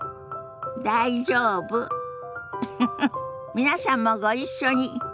皆さんもご一緒に。